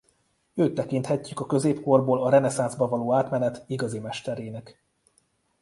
Őt tekinthetjük a középkorból a reneszánszba való átmenet igazi mesterének.